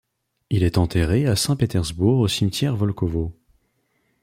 Il est enterré à Saint-Pétersbourg au cimetière Volkovo.